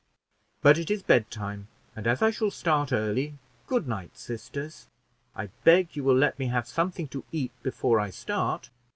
But it is bedtime, and as I shall start early, good night, sisters; I beg you will let me have something to eat before I start.